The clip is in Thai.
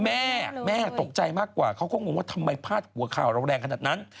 แม่แม่ตกใจมากกว่าเขาก็งงว่าทำไมพาดหัวข่าวเราแรงขนาดนั้น